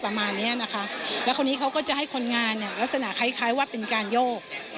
ประมาณเนี้ยนะคะแล้วคราวนี้เขาก็จะให้คนงานเนี่ยลักษณะคล้ายคล้ายว่าเป็นการโยก